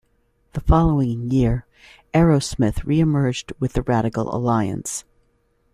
The following year, Arrowsmith re-emerged with the Radical Alliance.